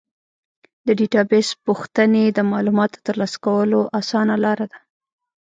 د ډیټابیس پوښتنې د معلوماتو ترلاسه کولو اسانه لاره ده.